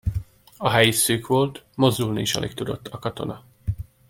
A hely is szűk volt, mozdulni is alig tudott a katona.